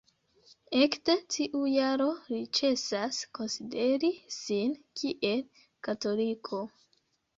Ekde tiu jaro li ĉesas konsideri sin kiel katoliko.